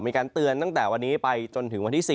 มีการเตือนตั้งแต่วันนี้ไปจนถึงวันที่๔